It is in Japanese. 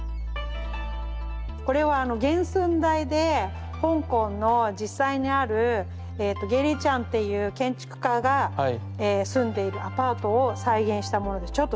これは原寸大で香港の実際にあるゲイリー・チャンっていう建築家が住んでいるアパートを再現したものです。